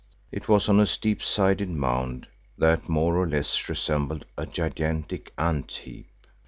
It was on a steep sided mound that more or less resembled a gigantic ant heap.